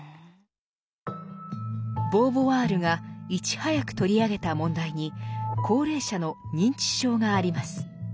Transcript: ボーヴォワールがいち早く取り上げた問題に高齢者の認知症があります。